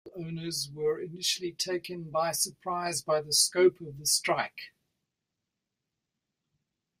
The mill owners were initially taken by surprise by the scope of the strike.